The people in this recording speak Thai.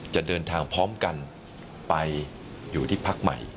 จะเดินทางพร้อมกันไปอยู่ที่พักใหม่